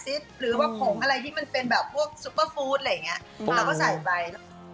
หรือว่าผมอะไรที่มันเป็นแบบพวกซูเปอร์ฟู้ดอะไรเงี้ย